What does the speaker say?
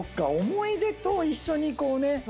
思い出と一緒にこうね